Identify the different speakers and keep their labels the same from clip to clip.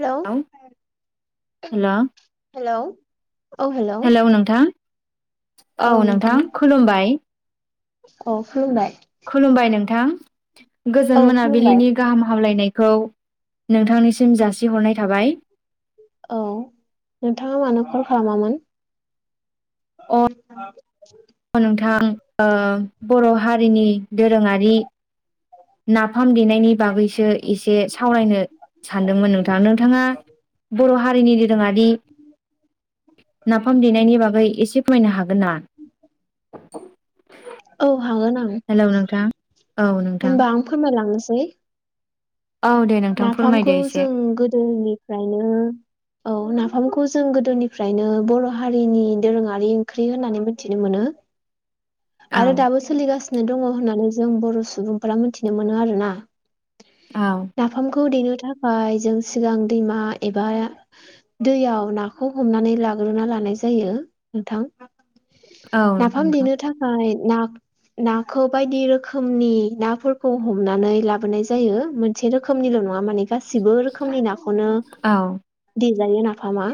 Speaker 1: हेल'
Speaker 2: hello
Speaker 1: hello
Speaker 2: hello नोंथां औ नोंथां खुलुमबाय
Speaker 1: अ खुलुमबाय
Speaker 2: खुलुमबाय नोंथां गोजोन
Speaker 1: औ खुलुमबाय
Speaker 2: मोनाबिलिनि गाहाम हामलायनाय खौ नोंथांनिसिम जासिहरनाय थाबाय
Speaker 1: औ नोंथाङा मानो कल खालामामोन [inaudible]
Speaker 2: अ नोंथां ओ बर' हारिनि दोरोङारि नाफाम देनायनि बागैसो एसे सावरायनो सानदोंमोन नोंथां नोंथाङा बर' हारिनि दोरोङारि नाफाम देनायनि बागै एसे फोरमायनो हागोन ना
Speaker 1: औ हागोन आं
Speaker 2: हेलौ नोंथां औ नोंथां
Speaker 1: होनबा आं फोरमायलांनोसै
Speaker 2: औ दे नोंथां
Speaker 1: नाफामखौ
Speaker 2: फोरमायदो एसे
Speaker 1: जों गोदोनिफ्रायनो औ ना फामखौ जों गोदोनिफ्रायनो बर' हारिनि दोरोङारि ओंख्रि होननानै मिथिनो मोनो आरो
Speaker 2: औ
Speaker 1: दाबो सोलिगासिनो दङ होननानै जों बर' सुबुंफोरा मिथिनो मोनो आरोना
Speaker 2: औ
Speaker 1: नाफामखौ देनो थाखाय जों सिगां दैमा एबा दैयाव नाखौ हमनानै लाग्रोना ला नाय जायो नोंथां
Speaker 2: औ नोंथां
Speaker 1: [unintelligible] नाख नाखौ बायदि रोखोमनि नाफोरखौ हमनानै लाबोनाय जायो मोनसे रोखोमनिल' नङा माने गासिबो रोखोमनि नाखौनो
Speaker 2: औ
Speaker 1: देजायो नाफामा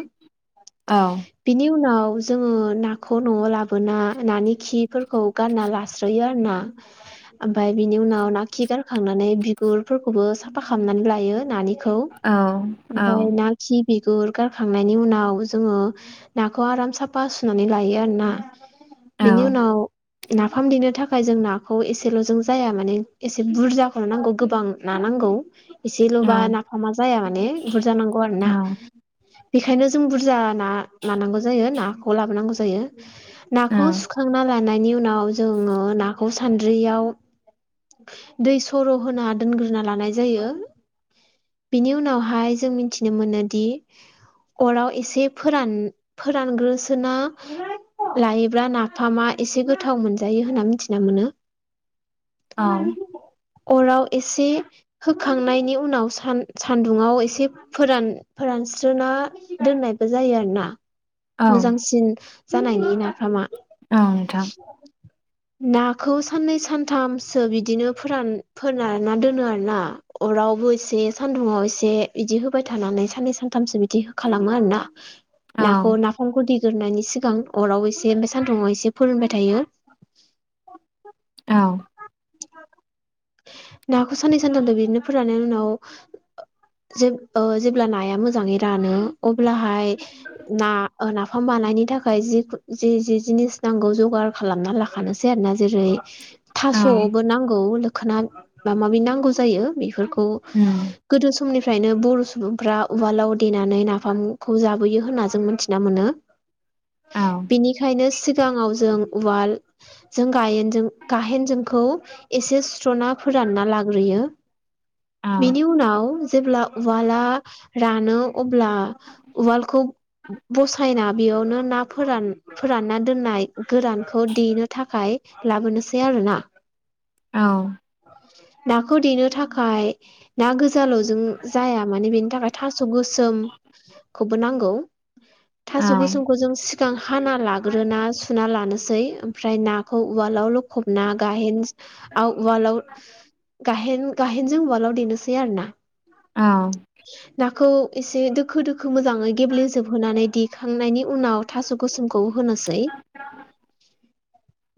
Speaker 2: औ
Speaker 1: बिनि उनाव जोङो नाखौ न'आव लाबोना नानि खि फोरखौ गानना लास्रोयो आरोना ओमफाय बिनि उनाव ना खिगारखांनानै बिगुर फोरखौबो साफा खामनानै लायो नानिखौ
Speaker 2: औ औ
Speaker 1: ओमफाय ना खि बिगुर गारखांनायनि उनाव जोङो नाखौ आराम साफा सुनानै लायो आरोना
Speaker 2: औ
Speaker 1: बिनि उनाव नाफाम देनो थाखाय जों नाखौ एसेल' जों जाया माने एसे बुरजाखौल' नांगौ गोबां ना नांगौ एसेल' बा नाफामा जाया माने बुरजा नांगौ आरो
Speaker 2: औ
Speaker 1: ना बेखायनो जों बुरजा ना लानांगौ जायो नाखौ लाबोनांगौ जायो नाखौ सुखांना लानायनि उनाव जोङो नाखौ सान्द्रियाव दै सर' होना दोनग्रोना लानाय जायो बिनि उनावहाय जों मिनथिनो मोनोदि अराव एसे फोरान फोरानग्रोसोना [unintelligible] लायोब्ला नाफामा एसे गोथाव मोनजायो होनना मिथिना मोनो
Speaker 2: उम,
Speaker 1: [unintelligible] अराव एसे होखांनायनि उनाव सान सान्दुङाव एसे फोरान फोर रानस्रोना दोननायबो जायो आरो ना
Speaker 2: औ
Speaker 1: मोजांसिन जानायनि नाफामा
Speaker 2: औ नोंथां
Speaker 1: नाखौ साननै सानथामसो बिदिनो फोरान फोरानना दोनो आरो ना अर रावबो एसे सान्दुुङाव एसे इदि होबाय थानानै साननै सानथामसो बिदि हो खालामो आरोना
Speaker 2: औ
Speaker 1: नाखौ नाफामखौ देगोरनायनि सिगां अराव एसे ओमफाय सान्दुंङाव एसे फोरोंबाय थायो
Speaker 2: आव
Speaker 1: नाखौ साननै सानथामदो बिदिनो फोरननायनि उनाव ओ जेब ओ जेब्ला नाया मोजाङै रानो अब्लाहाय ना ओ नाफाम बानायनि थाखाय जिखु जि जि जिनिस नांगौ जगार खालामना लाखानोसै आरो ना जेरै
Speaker 2: औ
Speaker 1: थास'आवबो नांगौ लोखोना माबा माबि नांगौ जायो बेफोरखौ
Speaker 2: औ
Speaker 1: गोदो ज समनिफ्रायनो बर' सुबुंफ्रा उवालाव देनानै नाफामखौ जाबोयो होनना जों मोनथिना मोनो।
Speaker 2: [inaudible]
Speaker 1: बिनिखायनो सिगाङाव जों उवालजों गायेनजों गाहेनजोंखौ एसे सुस्र'ना फोरानना लाग्रोयो। बेनि उनाव जेब्ला उवाला रानो अब्ला उवालखौ बसायना बेयावनो ना फोरान फोरानना दोननाय गोरानखौ देनो थाखाय लाबोनोसै आरोना
Speaker 2: औ
Speaker 1: नाखौ देनो थाखाय ना गोजाल'जों जाया माने बेनि थाखाय थास' गोसो सोम खौबो नांगौ। थास' गोसोमखौ जों सिगां हाना लाग्रोना सुना लाग नोसै ओमफ्राय नाखौ उवालावल'खबना गाहेनज आव उवालाव गाहेन गाहेनजों उवालाव देनोसै आरो ना
Speaker 2: औ
Speaker 1: खौ एसे दोखो दोखो मोजाङै गेब्लेेजोबहोनानै दे खांनायनि उनाव थास' गोसोमखौ होनोसै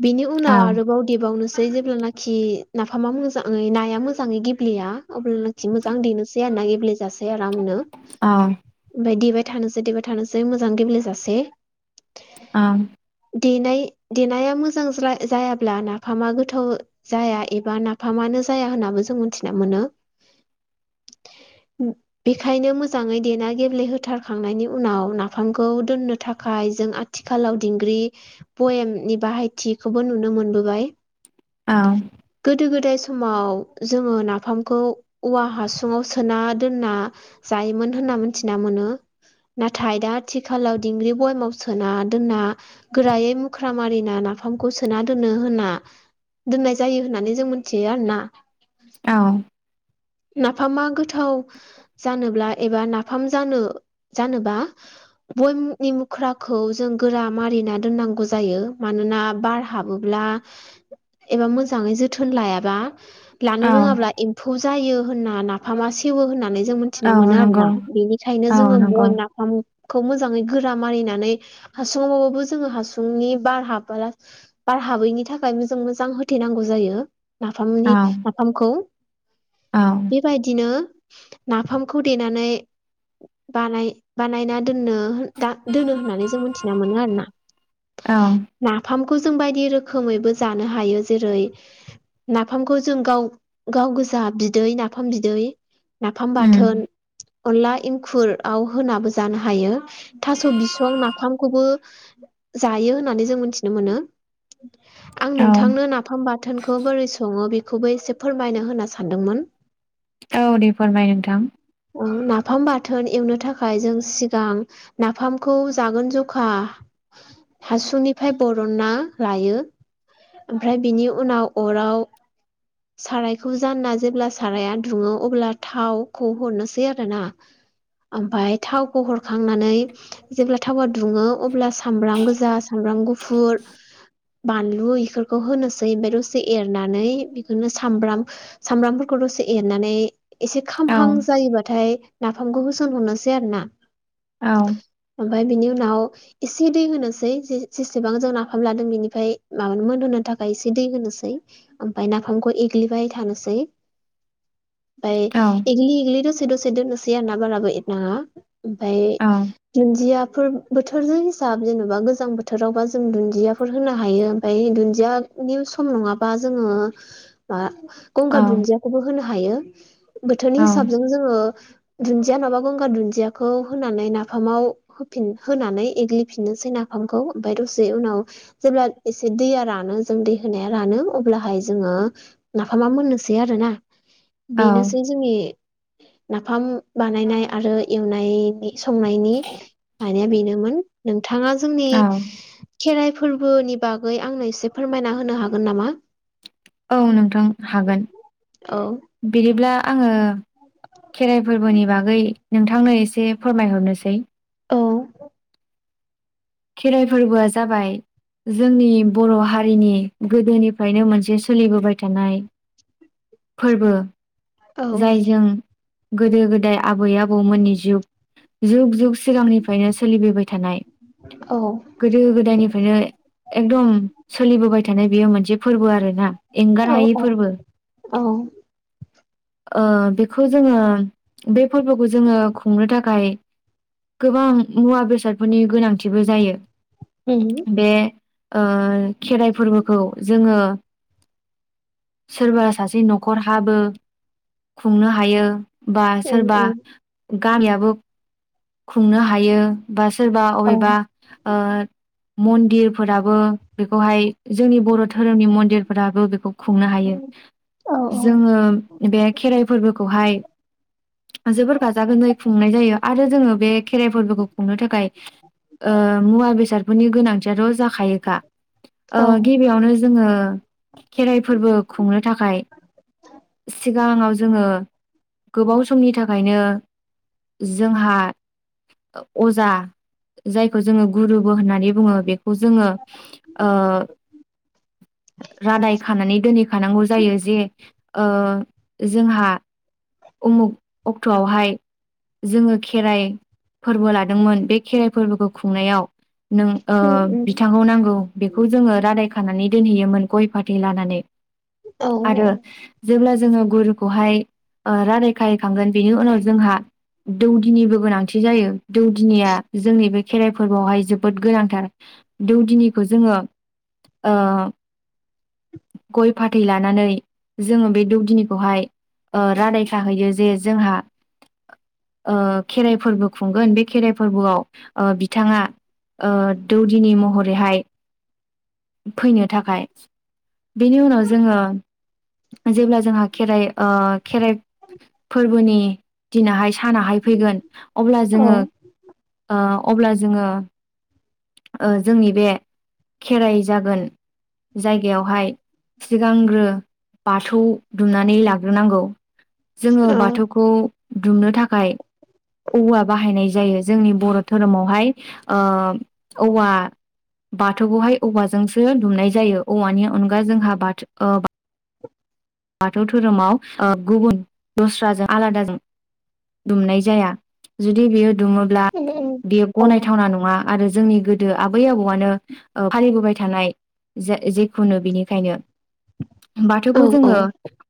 Speaker 1: बिनि उनाव आरोबाव देबावनोसै जेब्लानाखि नाफामा मोजाङै नाया मोजाङै गेब्लेया अब्लानाखि मोजां देनोसै आरो ना गेब्लेेजासै आरामनो मायदिबाय थानोसै देबाय थानोसै मोजां गेब्लेेजासे
Speaker 2: आम
Speaker 1: देनाय देनाया मोजां ज्राय जाया अब्ला नाफामा गोथाव जाया एबा नाफामानो जाया होननाबो जों मोन्थिना मोनो।
Speaker 2: [inaudible]
Speaker 1: उ बेखायनो मोजाङै देना गेब्लेहोथारखांनायनि उनाव नाफामखौ दोननो थाखा खाय जों आथिखालाव दिंग्रि बयामनि बाहायथिखौबो नुनो मोन होबाय गोदो गोदाय स समाव जोङो नाफामखौ औवा हासुङाव सोना दोनना जायोमोन होनना होना मोनथिना मोनो। नाथाय दा आथिखालाव दिंग्रि बयमाव सोना दोनना गोरायै मुख्रा मारि नाना नाफामखौ सोना दोनो होनना दोननाय जायो होननानै जों मोनथियो आरो ना
Speaker 2: औ
Speaker 1: नाफामा गोथाव जानोब्ला एबा नाफाम जानो जानोबा बयमनि मुख्राखौ जों गोरा मारिना दोननांगौ जायो मानोना बार हाबोब ब्ला एबा मोजाङै जोथोन लायाबा
Speaker 2: औ
Speaker 1: लानो रोङाब्ला एम्फौ जायो होनना नाफामा सेवो‌ होननानै जों
Speaker 2: औ
Speaker 1: मोन्थिना मोनो
Speaker 2: नंगौ।
Speaker 1: आरोना बेनिखायनो
Speaker 2: औ
Speaker 1: जोङो
Speaker 2: नंगौ
Speaker 1: बयम नाफाम खौ मोजाङै गोरा मारिनानै हासुङावबाबो जोङो हासुंनि बार हाबबोला बार हाबैनि थाखाय मोजां मोजां होथेनांगौ जायो।
Speaker 2: औ
Speaker 1: नाफामनि नाफामखौ
Speaker 2: औ
Speaker 1: बेबायदिनो नाफामखौ देनानै बानाय बानायना दोननो हो दा दोनो होननानै जों मोनथिना मोनो आरो ना
Speaker 2: अ
Speaker 1: नाफामखौ जों बायदि रोखोमैबो जानो हायो जेरै नाफामखौ जों गाव गाव गोस जाहा बिदै नाफाम बिदै नाफाम
Speaker 2: उम,
Speaker 1: बाथोन अनला एंखुर आव होनाबो जानो हायो थास' बिसं नाफामखौबो जायो होननानै जों मोनथिनो मोनो।
Speaker 2: [inaudible]
Speaker 1: आं
Speaker 2: औ
Speaker 1: नोंथांनो नाफाम बाथोनखौ बोरै सङो बेखौबो एसे फोरमायनो होनना स सानदोंमोन
Speaker 2: औ दे फोरमाय नोंथां
Speaker 1: औ नाफाम बाथोन एवनो थाखाय जों सिगां नाफामखौ जागोन जखा
Speaker 2: [inaudible]
Speaker 1: हासुंनिफ्राय बरनना लायो। ओमफाय बिनि उनाव अराव सारायखौ ज जानना जेब्ला साराया दुङो अब्ला थावखौ हरनोसै आरो ना ओमफाय थावखौ हरखांनानै जेब्ला थावा दुङो अब्ला सामब्राम गोजा सामब ब्राम गुफुर बानलु इफोरखौ होनोसै ओमफाय दसे एरनानै बेखोनो सामब्राम सामब्रामफोरखौ दसे एरनानै एसे
Speaker 2: औ
Speaker 1: खामहां जायोबाथाय नाफामखौबो होसन हरनोसै आरो ना
Speaker 2: औ
Speaker 1: ओमफाय बिनि उनाव एसे दै होनोसै जे जेसेबां जों नाफाम लादों बेनिफ्राय माबानो मोन होनो थाखाय एसे दै होनोसै ओमफाय नाफामखौ एग्लिबाय थानोसै सै बाय
Speaker 2: औ
Speaker 1: एगलि एगलि जोस दसे दसे दोननोसै आरो ना बाराबो एरनाङा ओमफाय दुन्दियाफ फोर बोथोरजों हिसाब जेन'बा गोजां बोथोरावबा जों दुन्दियाफोर होनो हायो ओमफाय दुन्दिया निसम नङाबा जोङो मा
Speaker 2: औ
Speaker 1: गंगार दुन्दियाखौबो होनो हायो बोथोरनि हिसाबजों जोङो दुन्दिया माबा गंगार दुन्दियाखौ होनानै नाफामाव होफिन होनानै एग्लिफिननोसै ना फामखौ ओमफ्राय दसे उनाव जेब्ला एसे दैया रानो जों दै होनाया रानो अब्लाहाय जोङो नाफामा मोननोसै आरोना बेनोसै
Speaker 2: औ
Speaker 1: जोंनि ना फाम बानायनाय आरो एवनायनि संनायनि [unintelligible] बेनोमोन नों थाङा जोंनि खेराइ फोरबोनि बागै आंनो एसे फोरमायना होनो हागोन नामा
Speaker 2: औ नोंथां हागोन
Speaker 1: औ
Speaker 2: बिदिब्ला आङो खेराइ फोरबोनि बागै नोंथांनो एसे फोरमायहरनोसै
Speaker 1: औ
Speaker 2: खेराइ फोरबोआ जाबाय जोंनि बर' हारिनि गोदोनिफ्रायनो मोनसे सोलिबोबाय थानाय फोरबो
Speaker 1: औ
Speaker 2: जायजों गोदो गोदाय आबै आबौमोननि जिउ जुग जुग सिगांनिफ्रायनो सोलिबोबाय थानाय
Speaker 1: औ उम
Speaker 2: गोदो गोदायनिफ्रायनो एकदम सोलिबोबाय थानाय बेयो मोनसे फोरबो आरो ना
Speaker 1: औ
Speaker 2: एंगार हायि
Speaker 1: औ
Speaker 2: फोरबो
Speaker 1: औ
Speaker 2: ओ बेखौ जोङो बे फोरबोखौ जोङो खुंनो थाखाय गोबां मुवा बेसादफोरनि गोनांथिबो जायो बे ओ खेराइ फोरबोखौ जोङो सोरबा सासे न'खरहाबो खुंनो हायो बा
Speaker 1: उम
Speaker 2: सोरबा
Speaker 1: उम
Speaker 2: गामियाबो खुंनो हायो बा सोरबा अबेबा ओ मन्दिरफोराबो बेखौहाय जोंनि बर' धोरोमनि मन्दिरफोराबो बेखौ खुंनो हायो
Speaker 1: औ औ
Speaker 2: जोङो बे खेराइ फोरबोखौहाय जोबोर गाजा गोमजायै खुंनाय जायो आरो जोङो बे खेराइ फोरबोखौ खुंनो थाखाय ओ मुवा बेसाद बेफोरनि गोनांथियाथ' जाखायोखा । ओ
Speaker 1: औ
Speaker 2: गिबियावनो जोङो खेराइ फोरबो खुंनो थाखाय सिब सिगाङाव जोङो गोबाव समनि थाखायनो जोंहा अजा जायखौ जोङो गुरुबो होननानै बुङो बेखौ जोङो ओ [inaudible] रादाय खानानै दोनहैखानांगौ जायो जे ओ जोंहा उमुख अक्ट'आवहाय जोङोखि खेराइ फोरबो लादोंमोन बे खेराइ फोरबोखौ खुंनायाव नों
Speaker 1: उम
Speaker 2: ओ
Speaker 1: उम
Speaker 2: बिथांखौ नांगौ बेखौ जोङो रादाय नानै दोनहोयोमोन गय फाथै लानानै
Speaker 1: औ
Speaker 2: आरो जेब्लाज जोङो गुरुखौहाय रादाय खायखांगोन बेनि उनाव जोंहा दौ दिनिबो गोनांथि जायो दौदिनिया जोंनि बे खेराइ फोरबोआवहाय जोबोद गोनांथार दौ दिनिखौ जोङो ओ गय फाथै लानानै जोङो बे दौदिनिखौहाय ओ रादाय खाहैयो जे जोंहा ओ खेराइ फोरबो खुंगोन बे खेराइ फोरबोआव बिथाङा ओ दौदिनि महरैहाय फैनो थाखाय बेनि उनाव जोङो जेब्ला जोंहा खेराइ ओ खेराइ फोरबोनि दिना थानाहाय फैगोन अब्ला
Speaker 1: औ
Speaker 2: जोङो ओ अब्ला जोङो ओ जोंनि बे खेराइ जागोन जायगायावहाय सिगांग्रो बाथौ दुमनानै लाग्रोनांगौ । जोङो बाथौखौ दुमनो थाखाय औवा बाहायनाय जायो जोंनि बर' धोरोमावहाय ओ औवा बाथौखौहाय औवाजोंसो दुमनाय जायो औवानि अनगा जोंहा बाथौ ओ बाथौ धोरोमाव ओ गुबुन दस्राजों आलादाजों दुमनाय जाया जुदि बियो दुमोब्ला
Speaker 1: उम
Speaker 2: बियो
Speaker 1: औ उम
Speaker 2: गनायथावना नङा । आरो जोंनि गोदो आबै आबौआनो ओ फालिबोबाय थानाय जे जिखुनु बेनिखायनो
Speaker 1: औ
Speaker 2: बाथौखौ
Speaker 1: उम
Speaker 2: जोङो
Speaker 1: औ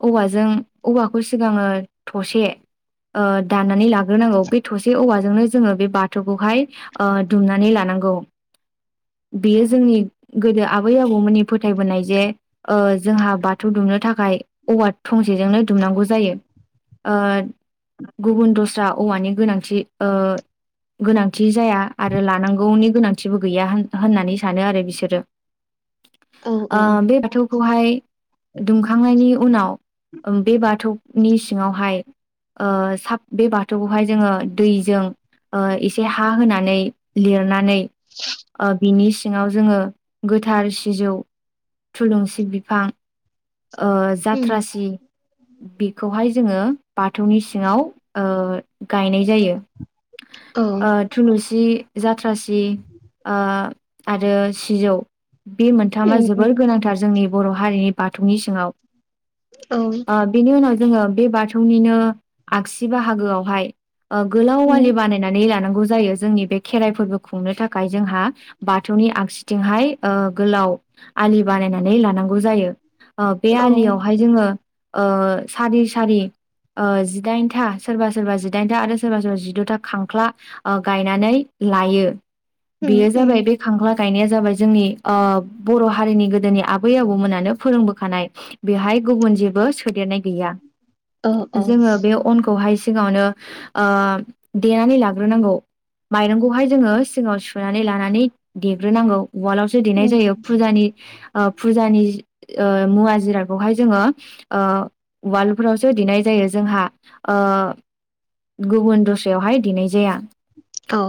Speaker 2: औवाजों औवाखौ सिगाङो थसे ओ दाननानै लाग्रोनांगौ बे थसे औवाजों नो जोङो बे बाथौखौहाय ओ दुमनानै लानांगौ। बेयो जोंनि गोदो आबै आबौमोननि फोथायबोनाय जे ओ जोंहा बाथौ दुमनो थाखा खाय औवा थंसेजोंनो दुमनांगौ जायो ओद गुबुन दस्रा औवानि गोनांथि ओ गोनांथि जाया आरो लानांगौनि गोनांथिबो गैया होननानै सानो आरो बिसोरो
Speaker 1: उम
Speaker 2: । ओ
Speaker 1: उम
Speaker 2: बे बाथौखौहाय दुं खांनायनि उनाव ओं बे बाथौनि सिङावहाय ओ साब बे बाथौखौहाय जोङो दैजों ओ एसे हा होनानै लिरनानै ओ बिनि सिङाव जोङो गोथार सिजौ थुलुंसि बिफां ओ जाथ्रासि बेखौहाय जोङो बाथौनि सिङाव ओ गायनाय जायो
Speaker 1: औ
Speaker 2: । ओ थुलुंसि जाथ्रासि ओ आरो सिजौ बे मोनथामा जोबोर गोनांथार जोंनि बर' हारिनि बाथ थौनि सिङाव ओ बेनि उनाव जोङो बे बाथौनिनो आगस बाहागोवाव हाय ओ गोलाव आलि बानायनानै लानांगौ जायो । जोंनि बे खेराइ फोरबो खुंनो थाखाय जोंहा बाथौ नि आगसिथिंहाय ओ गोलाव आलि बानायनानै लानांगौ जायो। ओ बे आलियावहाय जोङो ओ सारि सारि ओ जिदाइनथा, सोरबा सोरबा जिदाइनथा आरो सोरबा सोरबा जिद'था खांख्ला ओ गायनानै लायो बेयो जाबाय बे खांख्ला गायनाया जाबाय जोंनि ओ बर' हारिनि गोदोनि आबै आबौमोनहानो फोरोंबोखानाय बेहाय गुबुन जेबो सोदेरनाय गैया।
Speaker 1: औ
Speaker 2: जोङो बे अनखौहाय सिगाङावनो ओ देनानै लाग्रोनांगौ । माइरंखौहाय जोङो सिगांव सुनानै लानानै देग्रोनांगौ । उवालावसो देनाय
Speaker 1: उम
Speaker 2: जायो फुजानि ओ फुजानि ओ मुवा जिरादखौहाय जोङो ओ उवाफ्रावसो देनाय जायो जोंहा ओ गुबुन दस्रायावहाय देनाय जाया ।
Speaker 1: औ